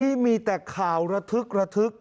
นี่มีแต่ข่าวระทึกระทึก